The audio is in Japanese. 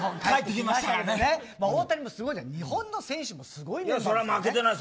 大谷もすごいですが日本の選手もすごいですよね。